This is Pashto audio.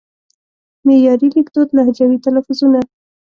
معیاري لیکدود لهجوي تلفظونه